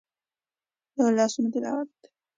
د لاسونو تلاوت